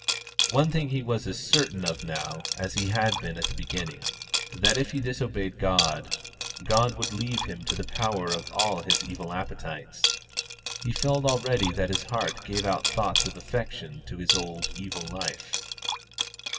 One thing he was as certain of now as he had been at the beginning that if he disobeyed God, God would leave him to the power of all his evil appetites; he felt already that his heart gave out thoughts of affection to his old evil life.